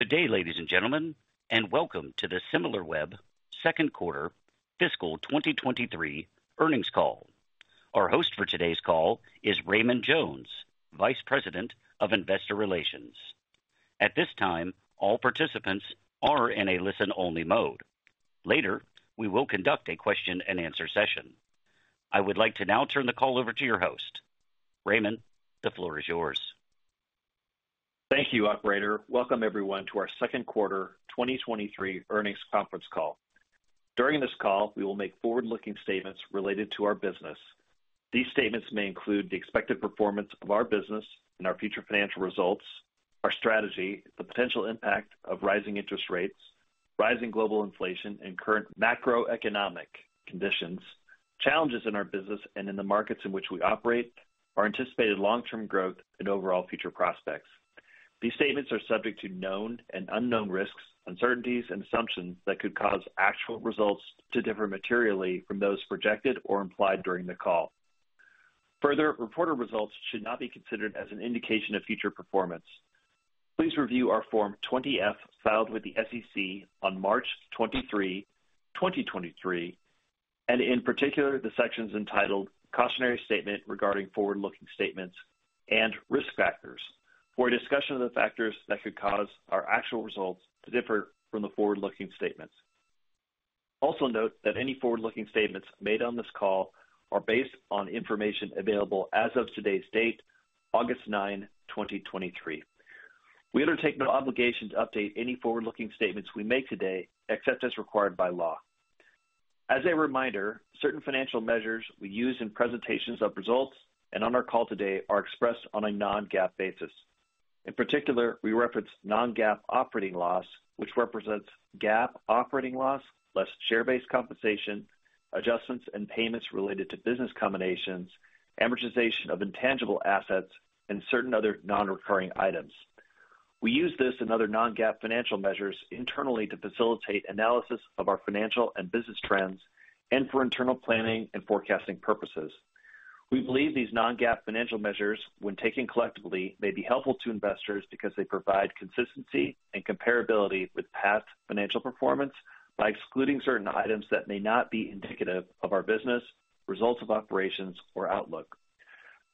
Good day, ladies and gentlemen, and welcome to the Similarweb Q2 Fiscal 2023 Earnings Call. Our host for today's call is Raymond Jones, Vice President of Investor Relations. At this time, all participants are in a listen-only mode. Later, we will conduct a question-and-answer session. I would like to now turn the call over to your host. Raymond, the floor is yours. Thank you, operator. Welcome everyone, to our Q2 2023 Earnings Conference Call. During this call, we will make forward-looking statements related to our business. These statements may include the expected performance of our business and our future financial results, our strategy, the potential impact of rising interest rates, rising global inflation and current macroeconomic conditions, challenges in our business and in the markets in which we operate, our anticipated long-term growth and overall future prospects. These statements are subject to known and unknown risks, uncertainties, and assumptions that could cause actual results to differ materially from those projected or implied during the call. Further, reported results should not be considered as an indication of future performance. Please review our Form 20-F, filed with the SEC on 23 March 2023, and in particular, the sections entitled Cautionary Statement regarding forward-looking statements and risk factors, for a discussion of the factors that could cause our actual results to differ from the forward-looking statements. Also note that any forward-looking statements made on this call are based on information available as of today's date, 9 August 2023. We undertake no obligation to update any forward-looking statements we make today, except as required by law. As a reminder, certain financial measures we use in presentations of results and on our call today are expressed on a non-GAAP basis. In particular, we reference non-GAAP operating loss, which represents GAAP operating loss, less share-based compensation, adjustments and payments related to business combinations, amortization of intangible assets and certain other non-recurring items. We use this and other non-GAAP financial measures internally to facilitate analysis of our financial and business trends and for internal planning and forecasting purposes. We believe these non-GAAP financial measures, when taken collectively, may be helpful to investors because they provide consistency and comparability with past financial performance by excluding certain items that may not be indicative of our business, results of operations or outlook.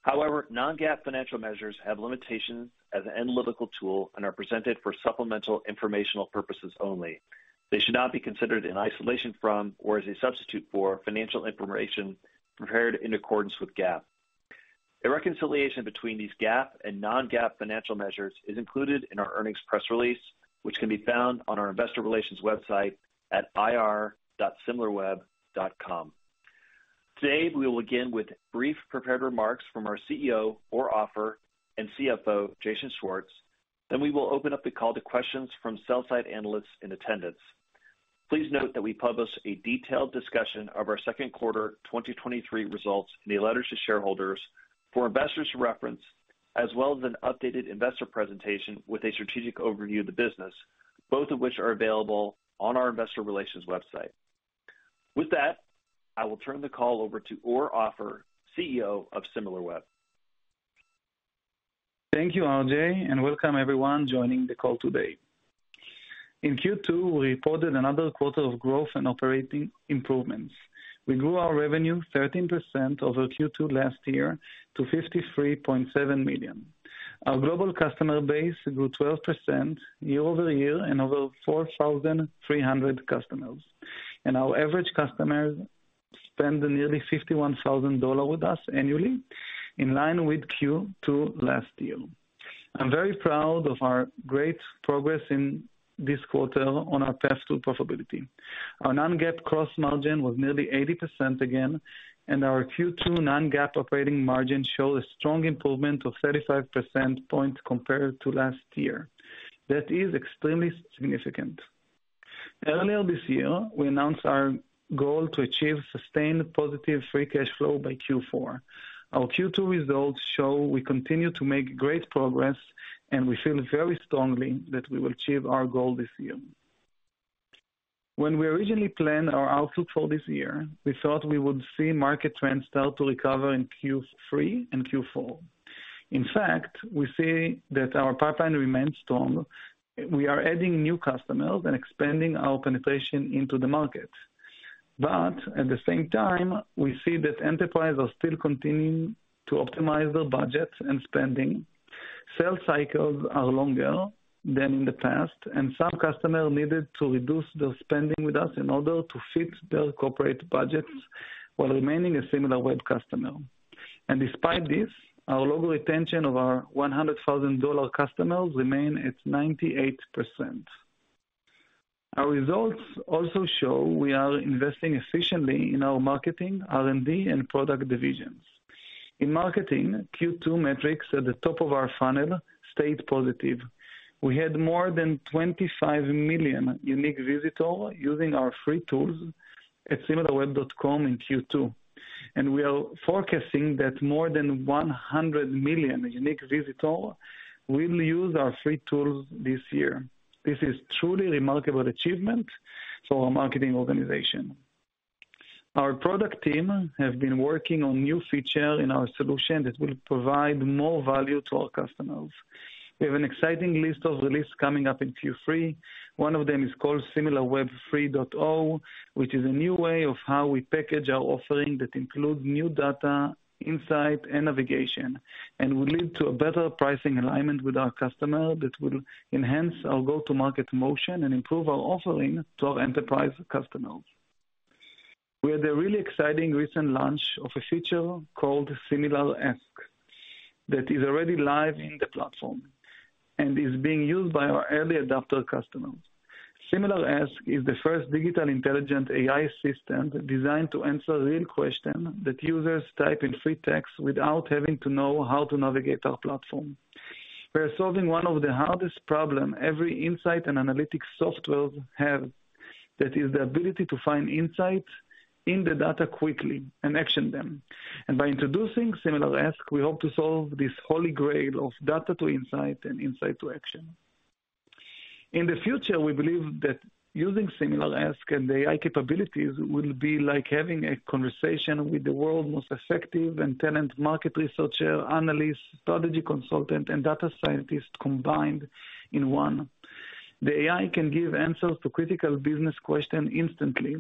However, non-GAAP financial measures have limitations as an analytical tool and are presented for supplemental informational purposes only. They should not be considered in isolation from or as a substitute for financial information prepared in accordance with GAAP. A reconciliation between these GAAP and non-GAAP financial measures is included in our earnings press release, which can be found on our investor relations website at ir.similarweb.com. Today, we will begin with brief prepared remarks from our CEO, Or Offer, and CFO, Jason Schwartz. We will open up the call to questions from sell-side analysts in attendance. Please note that we publish a detailed discussion of our Q2 2023 results in the letters to shareholders for investors to reference, as well as an updated investor presentation with a strategic overview of the business, both of which are available on our investor relations website. With that, I will turn the call over to Or Offer, CEO of Similarweb. Thank you, RJ. Welcome everyone joining the call today. In Q2, we reported another quarter of growth and operating improvements. We grew our revenue 13% over Q2 last year to $53.7 million. Our global customer base grew 12% year-over-year and over 4,300 customers. Our average customers spend nearly $51,000 with us annually, in line with Q2 last year. I'm very proud of our great progress in this quarter on our path to profitability. Our non-GAAP gross margin was nearly 80% again, and our Q2 non-GAAP operating margin showed a strong improvement of 35 percent points compared to last year. That is extremely significant. Earlier this year, we announced our goal to achieve sustained positive free cash flow by Q4. Our Q2 results show we continue to make great progress, and we feel very strongly that we will achieve our goal this year. When we originally planned our outlook for this year, we thought we would see market trends start to recover in Q3 and Q4. In fact, we see that our pipeline remains strong. We are adding new customers and expanding our penetration into the market. At the same time, we see that enterprises are still continuing to optimize their budgets and spending. Sales cycles are longer than in the past, and some customers needed to reduce their spending with us in order to fit their corporate budgets while remaining a Similarweb customer. Despite this, our low retention of our $100,000 customers remain at 98%. Our results also show we are investing efficiently in our marketing, R&D, and product divisions. In marketing, Q2 metrics at the top of our funnel stayed positive. We had more than 25 million unique visitors using our free tools at similarweb.com in Q2, and we are forecasting that more than 100 million unique visitors will use our free tools this year. This is truly remarkable achievement for our marketing organization. Our product team have been working on new feature in our solution that will provide more value to our customers. We have an exciting list of release coming up in Q3. One of them is called Similarweb 3.0, which is a new way of how we package our offering that include new data, insight, and navigation, and will lead to a better pricing alignment with our customer that will enhance our go-to-market motion and improve our offering to our enterprise customers. We had a really exciting recent launch of a feature called SimilarAsk, that is already live in the platform and is being used by our early adopter customers. SimilarAsk is the first digital intelligent AI system designed to answer real question that users type in free text without having to know how to navigate our platform. We're solving one of the hardest problem every insight and analytics softwares have, that is the ability to find insight in the data quickly and action them. By introducing SimilarAsk, we hope to solve this holy grail of data to insight and insight to action. In the future, we believe that using SimilarAsk and AI capabilities will be like having a conversation with the world's most effective and talented market researcher, analyst, strategy consultant, and data scientist combined in one. The AI can give answers to critical business question instantly.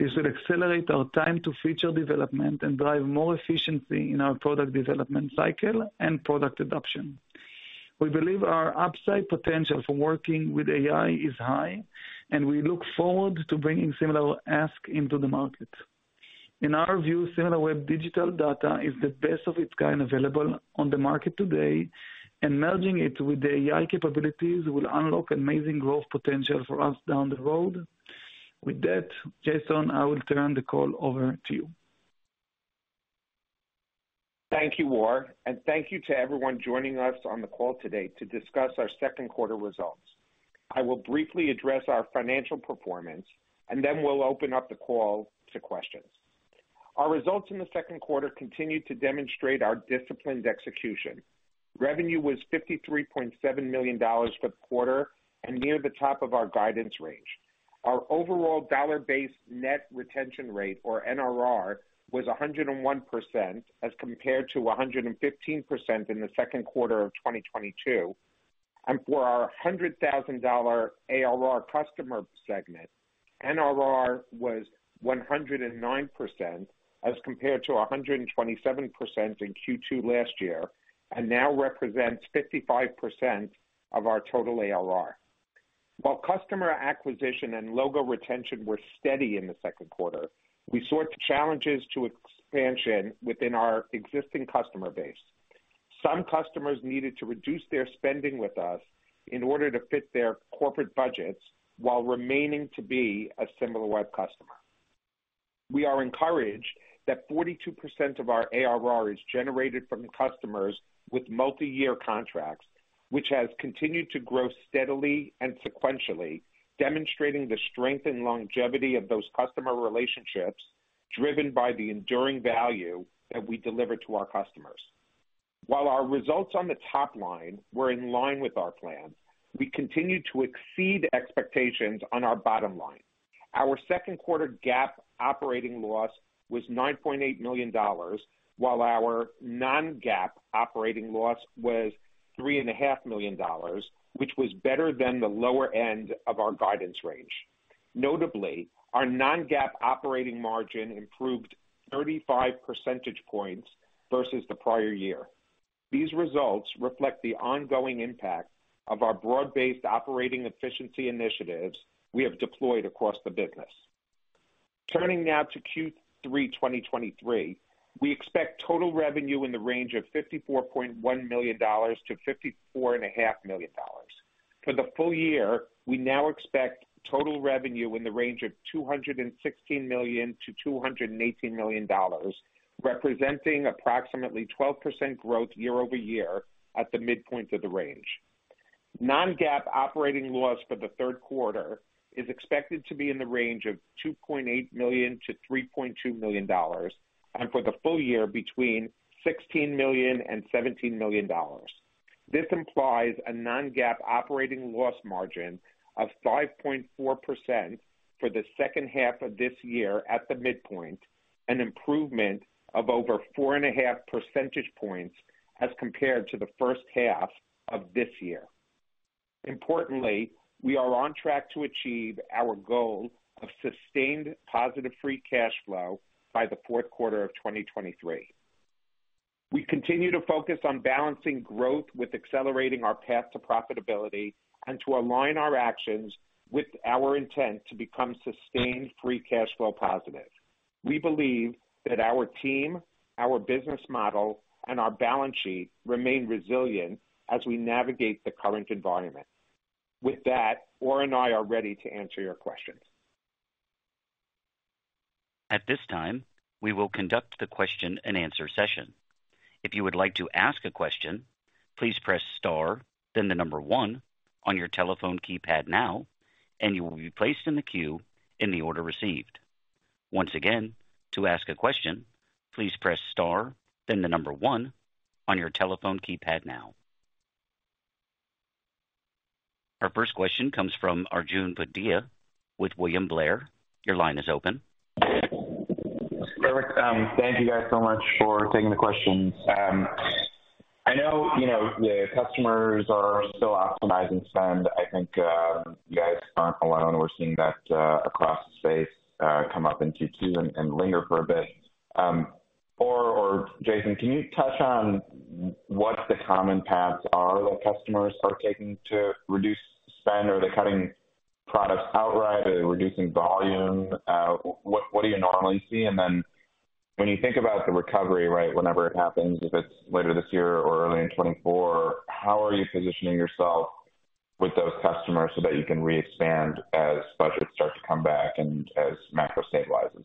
This will accelerate our time to feature development and drive more efficiency in our product development cycle and product adoption. We believe our upside potential for working with AI is high, and we look forward to bringing SimilarAsk into the market. In our view, Similarweb digital data is the best of its kind available on the market today, and merging it with the AI capabilities will unlock amazing growth potential for us down the road. With that, Jason, I will turn the call over to you. Thank you, Or, and thank you to everyone joining us on the call today to discuss our Q2 results. I will briefly address our financial performance, and then we'll open up the call to questions. Our results in the Q2 continued to demonstrate our disciplined execution. Revenue was $53.7 million for the quarter and near the top of our guidance range. Our overall dollar-based net retention rate, or NRR, was 101%, as compared to 115% in the Q2 of 2022. For our $100,000 ARR customer segment, NRR was 109%, as compared to 127% in Q2 last year, and now represents 55% of our total ARR. While customer acquisition and logo retention were steady in the Q2, we saw challenges to expansion within our existing customer base. Some customers needed to reduce their spending with us in order to fit their corporate budgets while remaining to be a Similarweb customer. We are encouraged that 42% of our ARR is generated from customers with multiyear contracts, which has continued to grow steadily and sequentially, demonstrating the strength and longevity of those customer relationships, driven by the enduring value that we deliver to our customers. While our results on the top line were in line with our plan, we continued to exceed expectations on our bottom line. Our Q2 GAAP operating loss was $9.8 million, while our non-GAAP operating loss was $3.5 million, which was better than the lower end of our guidance range. Notably, our non-GAAP operating margin improved 35 percentage points versus the prior year. These results reflect the ongoing impact of our broad-based operating efficiency initiatives we have deployed across the business. Turning now to Q3 2023, we expect total revenue in the range of $54.1 to 54.5 million. For the full year, we now expect total revenue in the range of $216 to 218 million, representing approximately 12% growth year-over-year at the midpoint of the range. Non-GAAP operating loss for the Q3 is expected to be in the range of $2.8 to 3.2 million, and for the full year, between $16 and 17 million. This implies a non-GAAP operating loss margin of 5.4% for the second half of this year at the midpoint, an improvement of over 4.5 percentage points as compared to the first half of this year. Importantly, we are on track to achieve our goal of sustained positive free cash flow by the Q4 of 2023. We continue to focus on balancing growth with accelerating our path to profitability and to align our actions with our intent to become sustained free cash flow positive. We believe that our team, our business model, and our balance sheet remain resilient as we navigate the current environment. With that, Or and I are ready to answer your questions. At this time, we will conduct the question-and-answer session. If you would like to ask a question, please press star, then the number one on your telephone keypad now, and you will be placed in the queue in the order received. Once again, to ask a question, please press star, then the number one on your telephone keypad now. Our first question comes from Arjun Bhatia with William Blair. Your line is open. Perfect. Thank you guys so much for taking the questions. I know, you know, the customers are still optimizing spend. I think, you guys aren't alone. We're seeing that across the space, come up in Q2 and, and linger for a bit. Or, or Jason, can you touch on what the common paths are that customers are taking to reduce spend? Are they cutting products outright? Are they reducing volume? What, what do you normally see? And then when you think about the recovery, right, whenever it happens, if it's later this year or early in 2024, how are you positioning yourself with those customers so that you can re-expand as budgets start to come back and as macro stabilizes?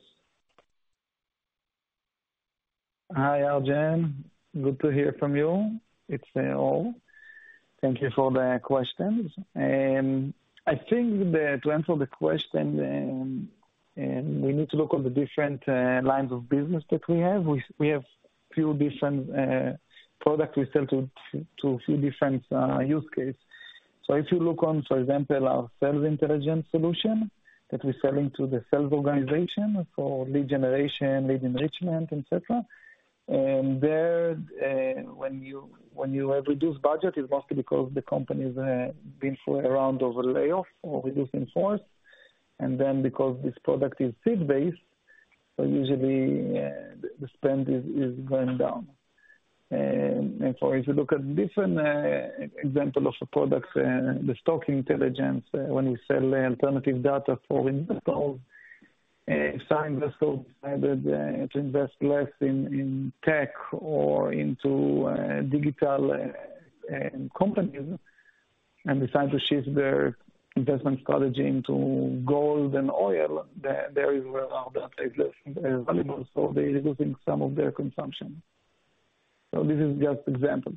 Hi, Arjun. Good to hear from you. It's Or. Thank you for the questions. I think the, to answer the question, we need to look on the different lines of business that we have. We, we have few different products we sell to, to a few different use cases. If you look on, for example, our Sales Intelligence solution, that we're selling to the sales organization for lead generation, lead enrichment, et cetera. There, when you, when you have reduced budget, it's mostly because the company's been through a round of layoffs or reducing force. Then because this product is seed-based, so usually, the spend is, is going down. So if you look at different example of the products, the Stock Intelligence, when we sell alternative data for investors, some investors decided to invest less in tech or into digital companies and decide to shift their investment strategy into gold and oil, there is where our data is less available, so they're reducing some of their consumption. This is just examples.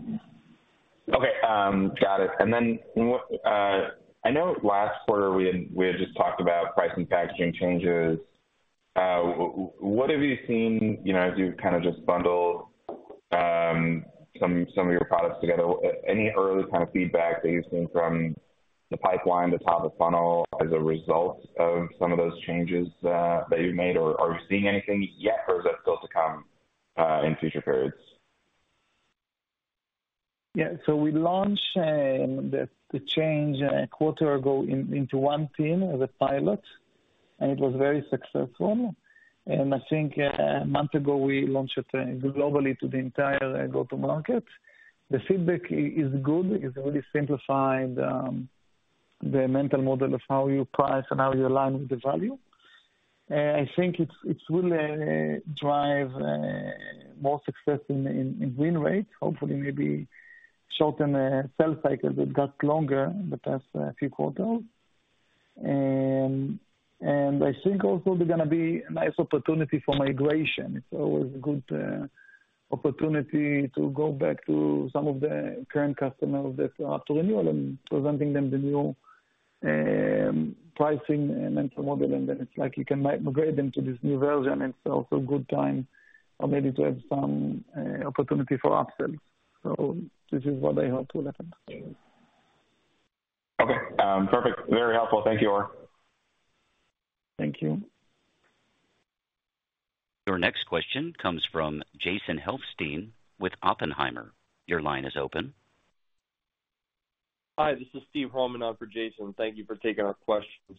Okay, got it. What, I know last quarter we had, we had just talked about pricing packaging changes. What have you seen, you know, as you've kind of just bundled, some, some of your products together? Any early kind of feedback that you've seen from the pipeline, the top of funnel, as a result of some of those changes, that you've made, or are you seeing anything yet, or is that still to come, in future periods? Yeah. We launched the change a quarter ago in, into 1 team as a pilot, and it was very successful. I think a month ago, we launched it globally to the entire go-to market. The feedback is good. It's really simplified the mental model of how you price and how you align with the value. I think it's, it's really drive more success in, in, in win rates. Hopefully, maybe shorten the sales cycles. It got longer in the past few quarters. I think also there's going to be a nice opportunity for migration. It's always a good opportunity to go back to some of the current customers that are up for renewal and presenting them the new pricing and mental model, and then it's like you can migrate them to this new version. It's also a good time or maybe to have some opportunity for upsell. This is what I hope will happen. Okay. perfect. Very helpful. Thank you, Or. Thank you. Your next question comes from Jason Helfstein with Oppenheimer. Your line is open. Hi, this is Steve Roman on for Jason. Thank you for taking our questions.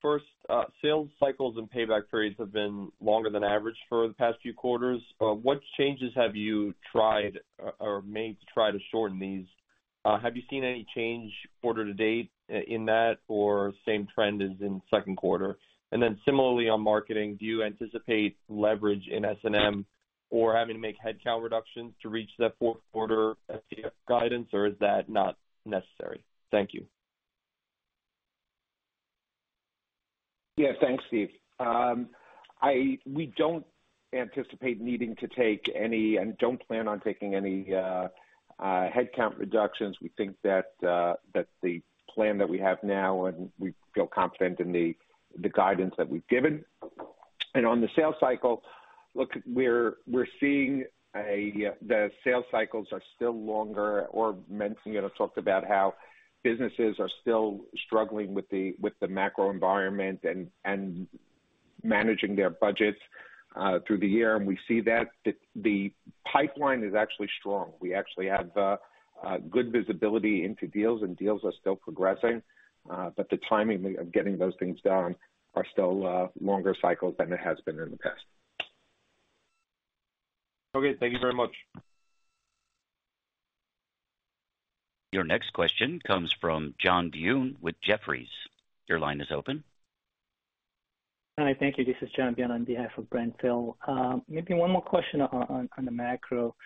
First, sales cycles and payback periods have been longer than average for the past few quarters. What changes have you tried or, or made to try to shorten these? Have you seen any change quarter to date in that, or same trend as in Q2? Similarly on marketing, do you anticipate leverage in S&M or having to make headcount reductions to reach that Q4 guidance, or is that not necessary? Thank you. Yeah, thanks, Steve. I... We don't anticipate needing to take any, and don't plan on taking any headcount reductions. We think that the plan that we have now, and we feel confident in the guidance that we've given. On the sales cycle, look, we're seeing the sales cycles are still longer. Or mentioned, you know, talked about how businesses are still struggling with the macro environment and managing their budgets through the year. We see that. The pipeline is actually strong. We actually have good visibility into deals, and deals are still progressing, but the timing of getting those things done are still longer cycles than it has been in the past. Okay. Thank you very much. Your next question comes from John Byun with Jefferies. Your line is open. Hi. Thank you. This is John Byun on behalf of Brent Thill. Maybe one more question on, on, on the macro.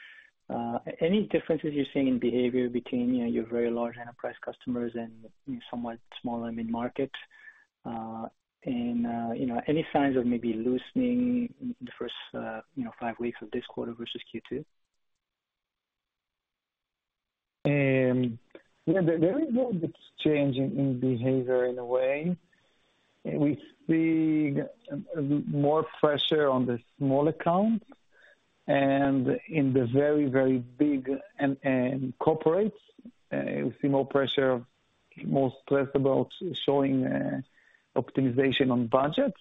Any differences you're seeing in behavior between, you know, your very large enterprise customers and somewhat small and mid-market? You know, any signs of maybe loosening in the first, you know, 5 weeks of this quarter versus Q2? Yeah, there, there is a bit change in, in behavior in a way. We see more pressure on the small accounts and in the very, very big and, and corporates, we see more pressure, more stress about showing optimization on budgets.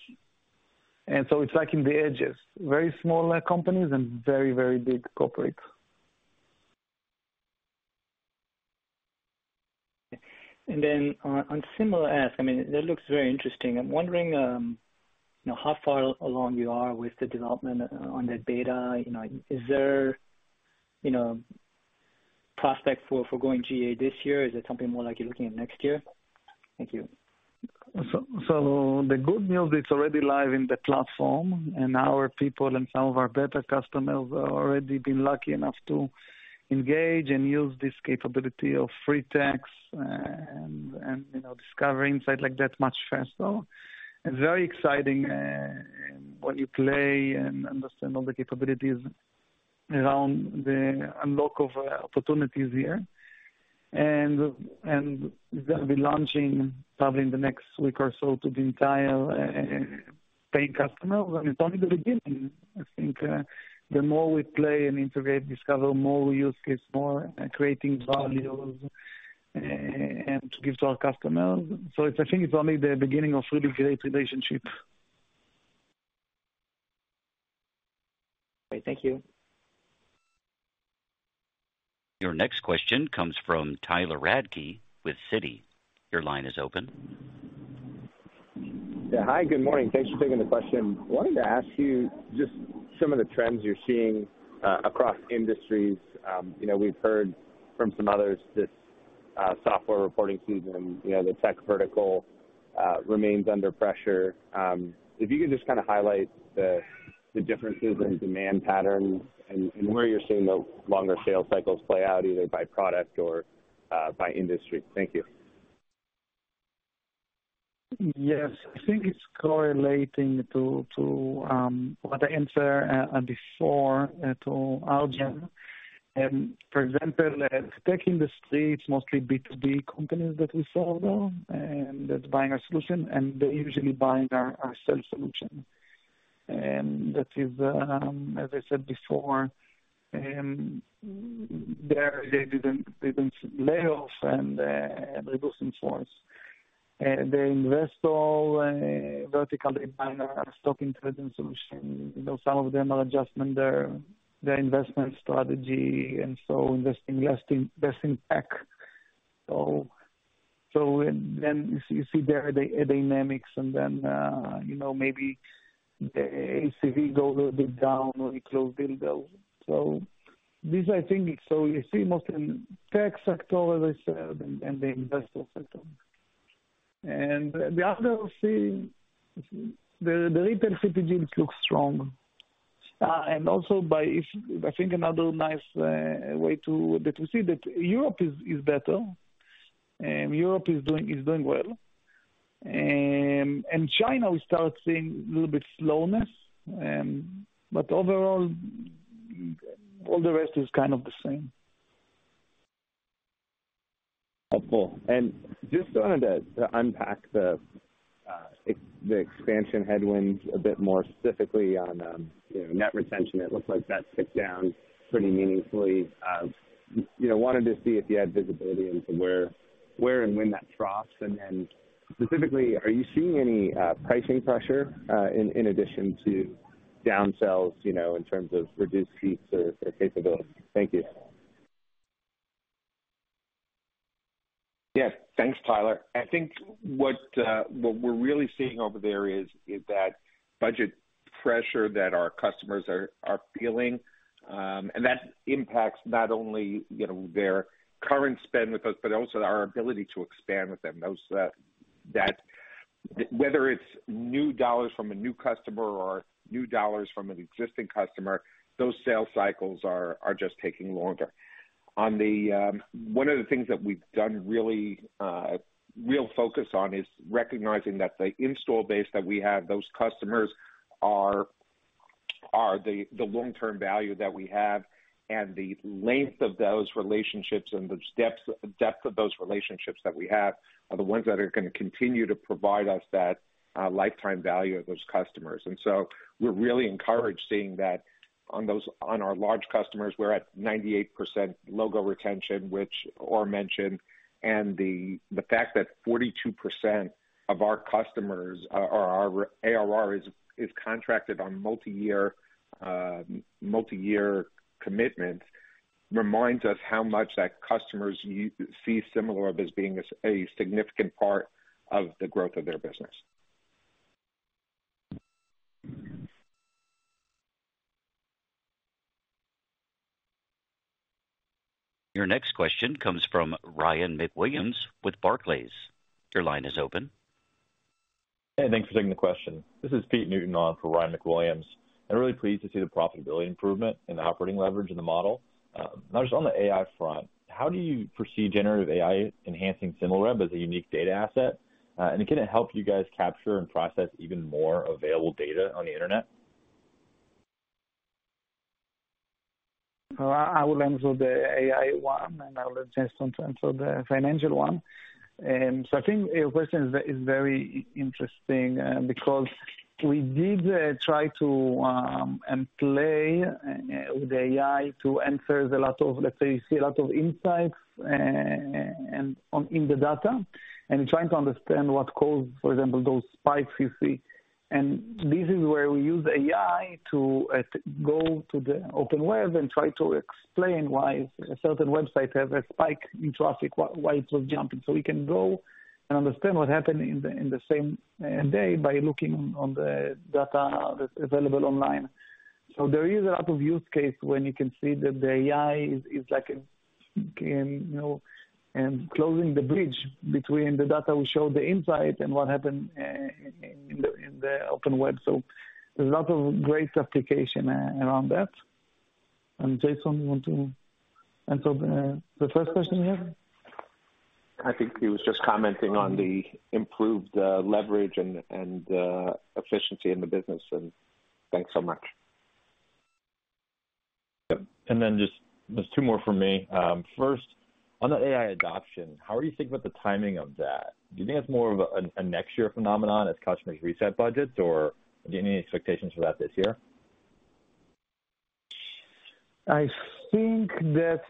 It's like in the edges, very small companies and very, very big corporates. On, on SimilarAsk, I mean, that looks very interesting. I'm wondering, you know, how far along you are with the development on that beta? You know, is there, you know, prospect for, for going GA this year, or is it something more like you're looking at next year? Thank you. So the good news, it's already live in the platform, and our people and some of our better customers have already been lucky enough to engage and use this capability of free text and, you know, discover insight like that much faster. It's very exciting when you play and understand all the capabilities around the unlock of opportunities here. And we're gonna be launching probably in the next week or so to the entire paying customers, and it's only the beginning. I think the more we play and integrate, discover, more we use this, more creating values and to give to our customers. It's, I think it's only the beginning of really great relationship. Great. Thank you. Your next question comes from Tyler Radke with Citi. Your line is open. Yeah. Hi, good morning. Thanks for taking the question. I wanted to ask you just some of the trends you're seeing across industries. You know, we've heard from some others this software reporting season, you know, the tech vertical remains under pressure. If you could just kind of highlight the differences in demand patterns and where you're seeing the longer sales cycles play out, either by product or by industry. Thank you. Yes, I think it's correlating to, to what I answer before to Arjun Bhatia. For example, tech industry, it's mostly B2B companies that we saw there, and that's buying our solution, and they're usually buying our sales solution. That is, as I said before, there they didn't, they didn't lay off and reducing force. They invest all vertical solution. You know, some of them are adjusting their investment strategy, and so investing, investing, investing tech. Then you see, you see there the dynamics and then, you know, maybe the ACV go a little bit down or close deal go. These I think, so you see mostly in tech sector, as I said, and the investor sector. The other thing, the retail CPG looks strong also by if, I think another nice, that we see that Europe is, is better, and Europe is doing, is doing well. China, we start seeing a little bit slowness, but overall, all the rest is kind of the same. Helpful. Just wanted to, to unpack the expansion headwinds a bit more specifically on, you know, net retention. It looks like that ticked down pretty meaningfully. You know, wanted to see if you had visibility into where, where and when that troughs, and then specifically, are you seeing any pricing pressure, in addition to down sales, you know, in terms of reduced fees or, or capabilities? Thank you. Yeah. Thanks, Tyler. I think what we're really seeing over there is that budget pressure that our customers are feeling. That impacts not only, you know, their current spend with us, but also our ability to expand with them. Those, that whether it's new dollars from a new customer or new dollars from an existing customer, those sales cycles are just taking longer. On the one of the things that we've done really real focus on, is recognizing that the install base that we have, those customers are the long-term value that we have, and the length of those relationships and the depth of those relationships that we have, are the ones that are gonna continue to provide us that lifetime value of those customers. We're really encouraged seeing that on our large customers, we're at 98% logo retention, which Or mentioned, and the, the fact that 42% of our customers or our ARR is, is contracted on multi-year, multi-year commitment, reminds us how much that customers see Similar as being a significant part of the growth of their business. Your next question comes from Ryan MacWilliams, with Barclays. Your line is open. Hey, thanks for taking the question. This is Pete Newton on for Ryan MacWilliams. I'm really pleased to see the profitability improvement and the operating leverage in the model. Just on the AI front, how do you foresee generative AI enhancing Similarweb as a unique data asset? Can it help you guys capture and process even more available data on the internet? I, will answer the AI one, and I'll let Jason answer the financial one. I think your question is very interesting because we did try to and play with AI to answer the lot of, let's say, see a lot of insights in the data, and trying to understand what caused, for example, those spikes you see. This is where we use AI to go to the open web and try to explain why a certain website has a spike in traffic, why it was jumping. We can go and understand what happened in the, in the same day by looking on the data that's available online. There is a lot of use case when you can see that the AI is, is like a, can, you know, closing the bridge between the data we show the insight and what happened in the open web. There's a lot of great application around that. Jason, you want to answer the, the first question you had? I think he was just commenting on the improved leverage and, and efficiency in the business, and thanks so much. Yep, and then just, there's 2 more for me. First, on the AI adoption, how are you thinking about the timing of that? Do you think it's more of a, an, a next year phenomenon as customers reset budgets, or do you have any expectations for that this year? I think that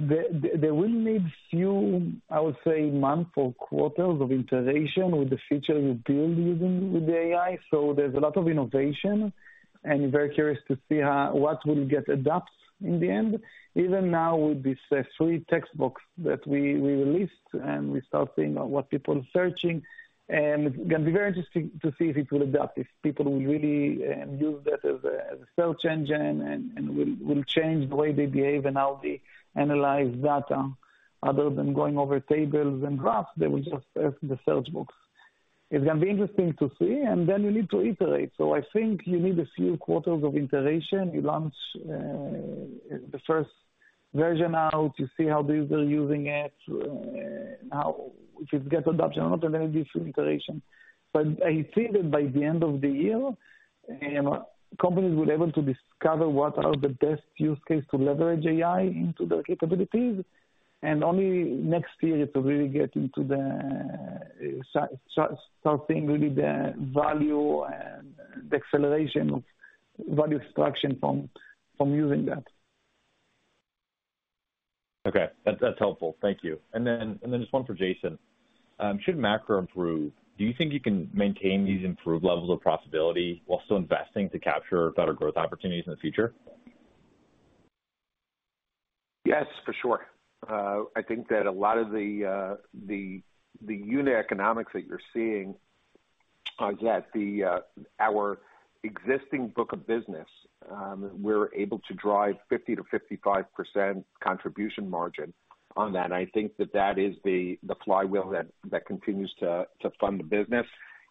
there will need few, I would say, months or quarters of integration with the feature we build using with the AI. There's a lot of innovation, and very curious to see how what will get adapt in the end. Even now with this free text box that we released, and we start seeing what people are searching. It's gonna be very interesting to see if it will adapt, if people will really use that as a search engine, and will change the way they behave and how they analyze data, other than going over tables and graphs, they will just search in the search box. It's gonna be interesting to see. Then you need to iterate. I think you need a few quarters of iteration. You launch, the first version out, you see how they are using it, how, if it get adoption or not, there going to be some iteration. But I think that by the end of the year, companies will able to discover what are the best use case to leverage AI into their capabilities, and only next year to really get into the starting really the value and the acceleration of value extraction from using that. Okay, that's helpful. Thank you. Then just one for Jason. Should macro improve, do you think you can maintain these improved levels of profitability while still investing to capture better growth opportunities in the future? Yes, for sure. I think that a lot of the, the, the unit economics that you're seeing are that the, our existing book of business, we're able to drive 50%-55% contribution margin on that. I think that that is the, the flywheel that, that continues to, to fund the business.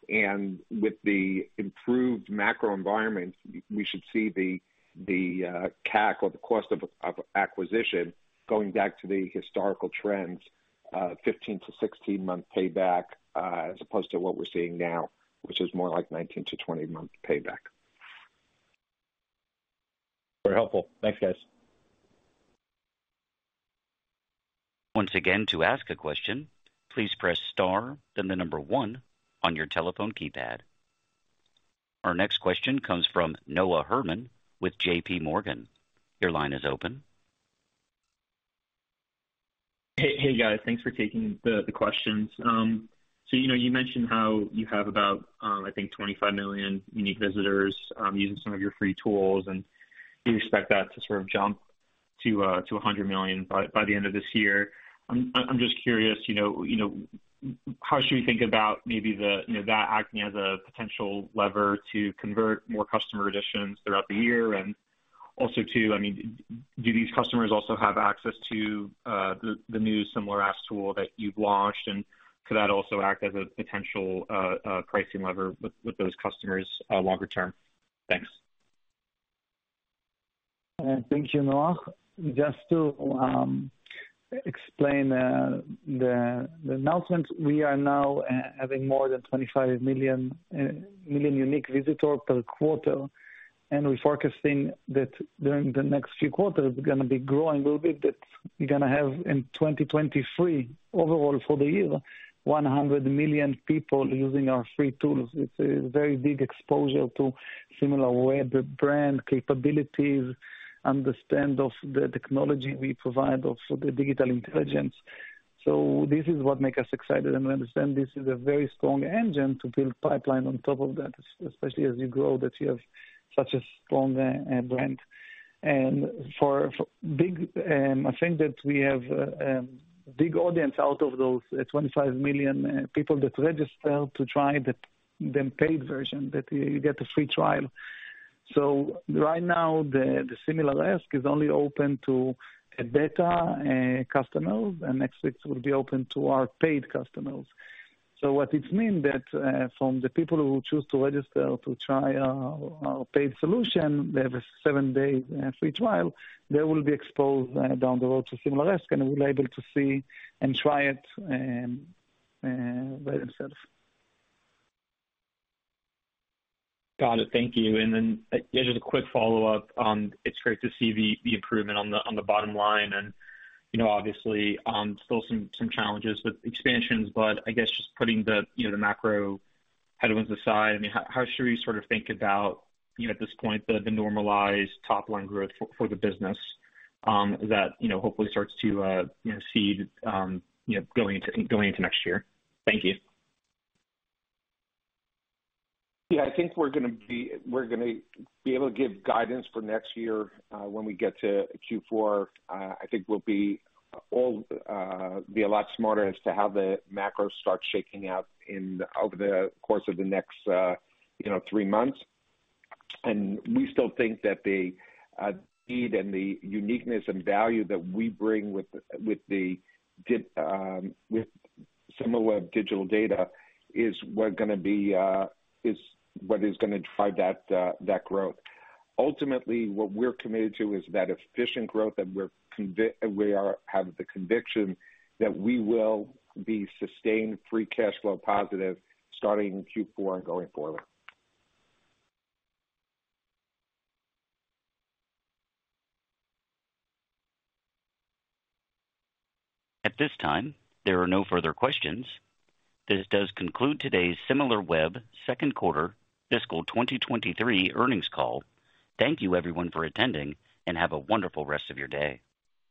With the improved macro environment, y-we should see the, the, CAC or the cost of, of acquisition going back to the historical trends, 15-16 month payback, as opposed to what we're seeing now, which is more like 19-20 month payback. Very helpful. Thanks, guys. Once again, to ask a question, please press star then the number one on your telephone keypad. Our next question comes from Noah Herman with JP Morgan. Your line is open. Hey, hey, guys, thanks for taking the, the questions. You know, you mentioned how you have about, I think $25 million unique visitors, using some of your free tools, and you expect that to sort of jump to $100 million by, by the end of this year. I'm, just curious, you know, you know, how should we think about maybe the, you know, that acting as a potential lever to convert more customer additions throughout the year? Also too, I mean, do these customers also have access to the, the new Similar Ask tool that you've launched? Could that also act as a potential pricing lever with, with those customers, longer term? Thanks. Thank you, Noah. Just to explain the announcement, we are now having more than 25 million unique visitors per quarter, we're forecasting that during the next few quarters, we're gonna be growing a little bit. That we're gonna have, in 2023, overall for the year, 100 million people using our free tools. It's a very big exposure to Similarweb, the brand capabilities, understand of the technology we provide, also the digital intelligence. This is what make us excited, and we understand this is a very strong engine to build pipeline on top of that, especially as you grow, that you have such a strong brand. For big, I think that we have big audience out of those 25 million people that registered to try the paid version, that you get a free trial. Right now, the SimilarAsk is only open to beta customers, and next week will be open to our paid customers. What it means that from the people who choose to register to try our paid solution, they have a 7-day free trial. They will be exposed down the road to SimilarAsk, and will able to see and try it by themselves. Got it. Thank you. Then just a quick follow-up on it's great to see the, the improvement on the, on the bottom line, and you know, obviously, still some, some challenges with expansions, but I guess just putting the, you know, the macro headwinds aside, I mean, how, how should we sort of think about, you know, at this point, the, the normalized top line growth for, for the business, that, you know, hopefully starts to, you know, see, you know, going into, going into next year? Thank you. Yeah, I think we're gonna be, we're gonna be able to give guidance for next year, when we get to Q4. I think we'll be all, be a lot smarter as to how the macro starts shaking out in over the course of the next, you know, three months. We still think that the need and the uniqueness and value that we bring with Similarweb digital data, is what gonna be, is what is gonna drive that, that growth. Ultimately, what we're committed to is that efficient growth, we are, have the conviction that we will be sustained, free cash flow positive starting in Q4 and going forward. At this time, there are no further questions. This does conclude today's Similarweb Q2 fiscal 2023 earnings call. Thank you, everyone, for attending, and have a wonderful rest of your day.